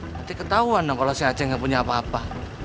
nanti ketahuan kalau si aceh nggak punya apa apa